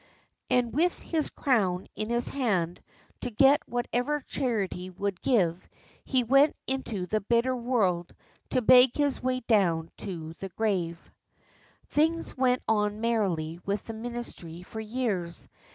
And with his crown in his hand to get whatever charity would give, he went into the bitter world to beg his way down to the grave. Things went on merrily with the ministry for years.